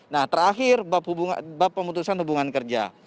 nah terakhir bab pemutusan hubungan kerja